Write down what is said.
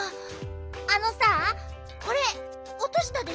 あのさこれおとしたでしょ？